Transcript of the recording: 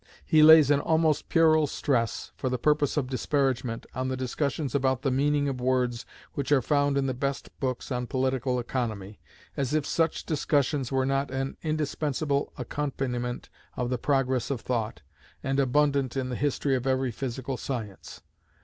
He lays an almost puerile stress, for the purpose of disparagement, on the discussions about the meaning of words which are found in the best books on political economy, as if such discussions were not an indispensable accompaniment of the progress of thought, and abundant in the history of every physical science.